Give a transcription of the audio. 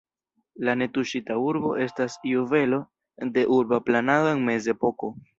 La netuŝita urbo estas juvelo de urba planado en mezepoko.